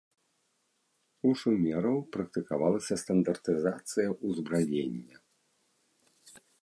У шумераў практыкавалася стандартызацыя ўзбраення.